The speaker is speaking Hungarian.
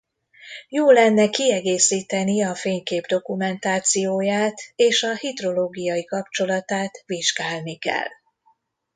Jó lenne kiegészíteni a fénykép-dokumentációját és a hidrológiai kapcsolatát vizsgálni kell.